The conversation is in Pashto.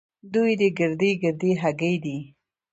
دوې دې ګردۍ ګردۍ هګۍ دي.